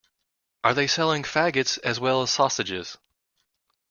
Are they selling faggots as well as sausages?